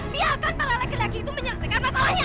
biarkan para lelaki laki itu menyelesaikan masalahnya